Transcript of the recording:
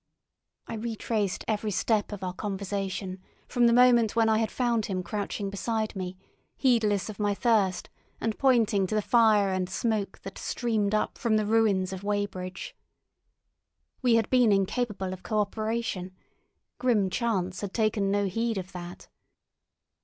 I retraced every step of our conversation from the moment when I had found him crouching beside me, heedless of my thirst, and pointing to the fire and smoke that streamed up from the ruins of Weybridge. We had been incapable of co operation—grim chance had taken no heed of that.